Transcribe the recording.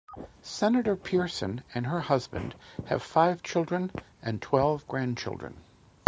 Senator Pearson and her husband have five children and twelve grandchildren.